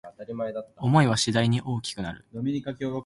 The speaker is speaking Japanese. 想いは次第に大きくなる